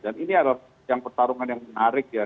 dan ini adalah pertarungan yang menarik ya